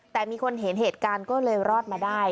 แต่มีคนเห็นเหตุการณ์ก็เลยรอดมาได้